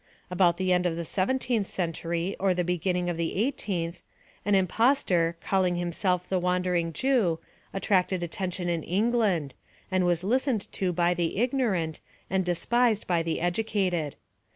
About the end of the seventeenth century or the beginning of the eighteenth, an impostor, calling himself the Wandering Jew, attracted attention in England, and was listened to by the ignorant, and despised by the educated.